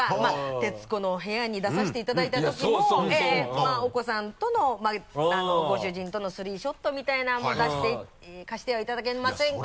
「徹子の部屋」に出させていただいたときも「お子さんとの」「ご主人とのスリーショットみたいなのも貸してはいただけませんか？」